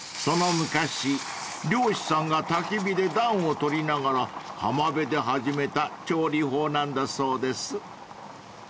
［その昔漁師さんがたき火で暖を取りながら浜辺で始めた調理法なんだそうです］